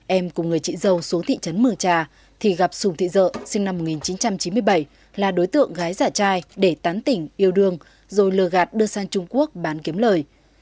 em cùng người chị dâu xuống thị trấn mường trà thì gặp sùng thị dợ sinh năm một nghìn chín trăm chín mươi bảy là đối tượng gái giả trai để tán tỉnh yêu đương rồi lừa gạt đưa sang trung quốc bán kiếm lời